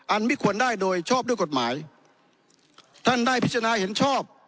ไม่ควรได้โดยชอบด้วยกฎหมายท่านได้พิจารณาเห็นชอบ